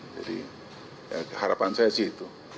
jadi harapan saya sih itu